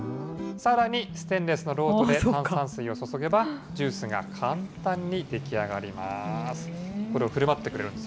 さらにステンレスの漏斗で炭酸水を注げば、ジュースが簡単に出来上がります。